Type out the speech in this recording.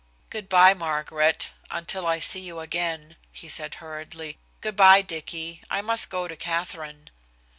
"Good by, Margaret, until I see you again," he said hurriedly. "Good by, Dicky, I must go to Katherine."